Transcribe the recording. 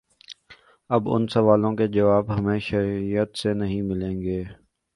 اب ان سوالوں کے جواب ہمیں شریعت سے نہیں ملیں گے۔